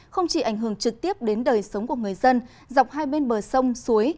không chỉ ảnh hưởng trực tiếp đến đời sống của người dân dọc hai bên bờ sông suối